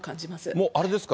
もうあれですか？